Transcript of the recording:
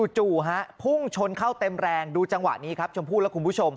จู่ฮะพุ่งชนเข้าเต็มแรงดูจังหวะนี้ครับชมพู่และคุณผู้ชม